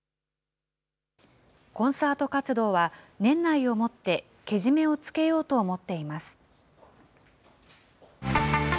コンサート活動は年内をもってけじめをつけようと思っています。